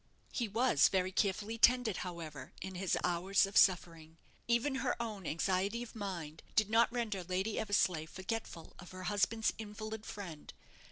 He was very carefully tended, however, in his hours of suffering. Even her own anxiety of mind did not render Lady Eversleigh forgetful of her husband's invalid friend.